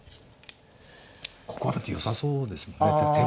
ここはだってよさそうですもんね。